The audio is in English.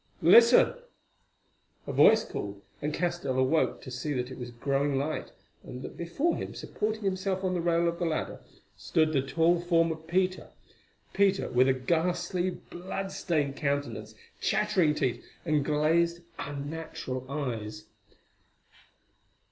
Listen! A voice called, and Castell awoke to see that it was growing light, and that before him supporting himself on the rail of the ladder, stood the tall form of Peter—Peter with a ghastly, blood stained countenance, chattering teeth, and glazed, unnatural eyes.